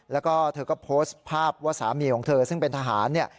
แล้วก็เธอก็โพสต์ภาพว่าสามีของเธอซึ่งเป็นทหารเนี่ย